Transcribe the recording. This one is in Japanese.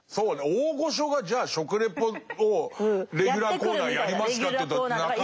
大御所がじゃあ食レポをレギュラーコーナーやりますかというとなかなか。